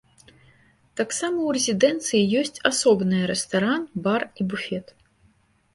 Таксама ў рэзідэнцыі ёсць асобныя рэстаран, бар і буфет.